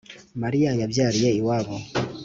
Mariya yabyariye iwabo